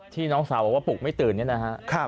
น้องสาวบอกว่าปลุกไม่ตื่นเนี่ยนะฮะ